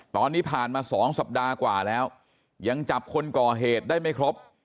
ตอนนี้ผ่านมา๒สัปดาห์กว่าแล้วยังจับคนก่อเหตุได้ไม่ครบ